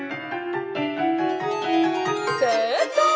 「せいかい！」。